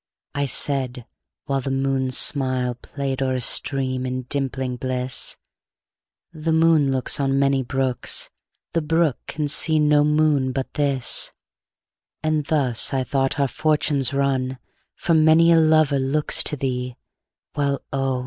I said (whileThe moon's smilePlay'd o'er a stream, in dimpling bliss),The moon looksOn many brooks, The brook can see no moon but this; And thus, I thought, our fortunes run, For many a lover looks to thee, While oh!